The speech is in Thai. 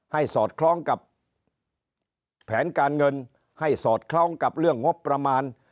สอดคล้องกับแผนการเงินให้สอดคล้องกับเรื่องงบประมาณ